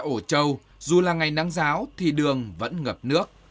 ổ trâu dù là ngày nắng giáo thì đường vẫn ngập nước